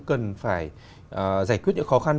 cần phải giải quyết những khó khăn